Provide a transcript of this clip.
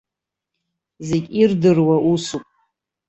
Зегь ирдыруа усуп.